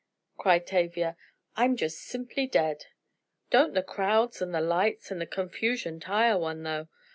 cried Tavia, "I'm just simply dead! Don't the crowds and the lights and confusion tire one, though!